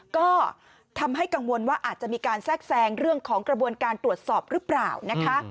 ก็ทำให้กังวลว่าอาจจะมีการแทรกแซงเรื่องของกระบวนการตรวจสอบหรือเปล่านะคะ